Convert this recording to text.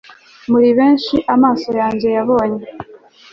Muri benshi amaso yanjye yabonye